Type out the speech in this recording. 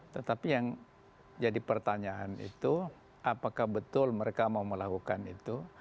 tetapi yang jadi pertanyaan itu apakah betul mereka mau melakukan itu